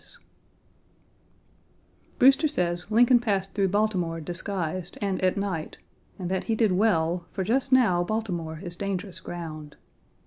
Page 12 Brewster says Lincoln passed through Baltimore disguised, and at night, and that he did well, for just now Baltimore is dangerous ground.